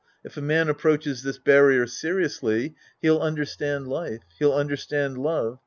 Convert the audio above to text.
If a man approaches this barrier seriously, he'll understand life. He'll understand love.